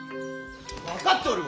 分かっておるわ！